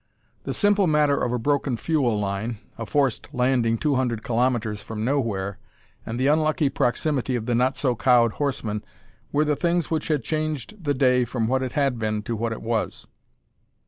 The simple matter of a broken fuel line, a forced landing two hundred kilometres from nowhere, and the unlucky proximity of the not so cowed horsemen, were the things which had changed the day from what it had been to what it was.